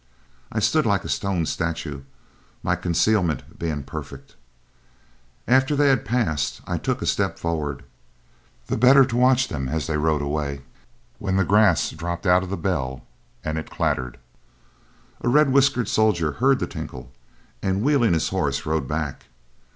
I stood like a stone statue, my concealment being perfect. After they had passed, I took a step forward, the better to watch them as they rode away, when the grass dropped out of the bell and it clattered. A red whiskered soldier heard the tinkle, and wheeling his horse, rode back.